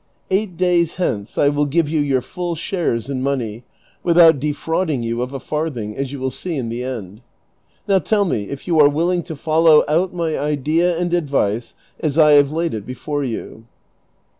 Eight days hence I will give you your full shares in money, without defrauding you of a farthing, as you will see in the end. Now tell me if you are willing to follow out my idea and advice as I have laid it before you."